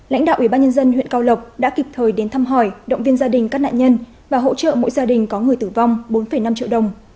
lãnh đạo ủy ban nhân dân huyện cao lộc đã kịp thời đến thăm hỏi động viên gia đình các nạn nhân và hỗ trợ mỗi gia đình có người tử vong bốn năm triệu đồng